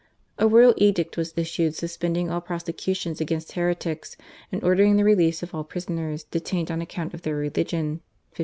A royal edict was issued suspending all prosecutions against heretics and ordering the release of all prisoners detained on account of their religion (1561).